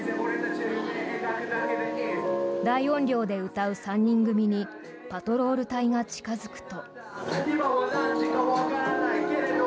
大音量で歌う３人組にパトロール隊が近付くと。